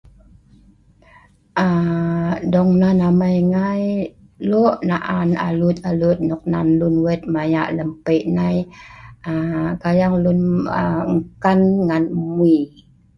Dong nan amei ngai lok naan alut alut nok nan lun wet mayak lem peik nei nan yang engken ngen emwe’e